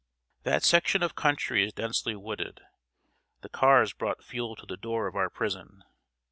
] That section of country is densely wooded. The cars brought fuel to the door of our prison.